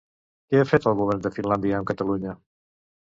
Què ha fet el govern de Finlàndia amb Catalunya?